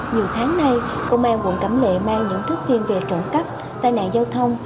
nhiều tháng nay công an quận cẩm lệ mang những thức phim về trộm cắp tai nạn giao thông